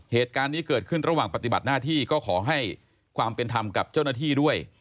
เหตุการณ์นี้เกิดขึ้นระหว่างปฏิบัติหน้าที่ก็ขอให้ความเป็นธรรมกับเจ้าหน้าที่ด้วย